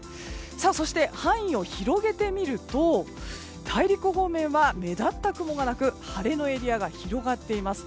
そして、範囲を広げてみると大陸方面は目立った雲がなく晴れのエリアが広がっています。